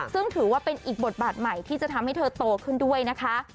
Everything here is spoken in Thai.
ซึ่งถือว่าเป็นอีกบทบาทใหม่ที่จะทำให้เธอโตขึ้นด้วยนะคะ